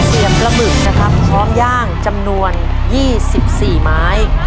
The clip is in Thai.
เสียงระบุนะคะพร้อมย่างจำนวน๒๔ไม้